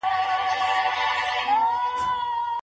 ايا د نجلۍ خاموشي د هغې رضا ګڼل کېږي؟